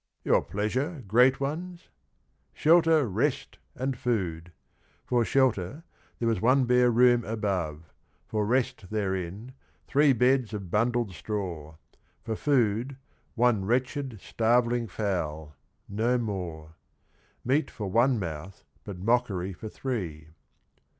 'Your pleasure, great ones? '—' Shelter, rest and food 1' For shelter, there was one bare room above ; For rest therein, three beds of bundled straw : For food, one wretched starveling fowl, no more — Meat for one mouth, but mockery for three.